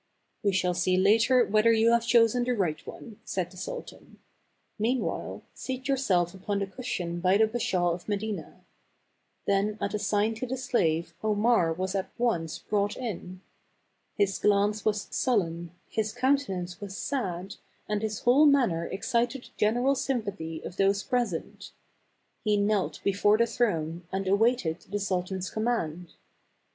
"" We shall see later whether you have chosen the right one," said the sultan; "meanwhile, seat yourself upon the cushion by the Bashaw of Medina." Then at a sign to the 7 7^^ slave, Omar was at once brought in. His glance was sullen, his countenance was sad, and his whole manner excited the general sympathy of those present. He knelt before the throne, and awaited the sultan's command.